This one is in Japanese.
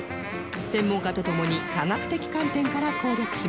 専門家と共に科学的観点から攻略します